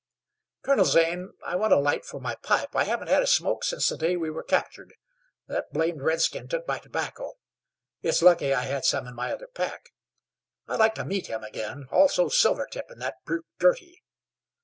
"Colonel Zane, I want a light for my pipe. I haven't had a smoke since the day we were captured. That blamed redskin took my tobacco. It's lucky I had some in my other pack. I'd like to meet him again; also Silvertip and that brute Girty."